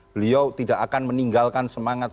beliau tidak akan meninggalkan semangat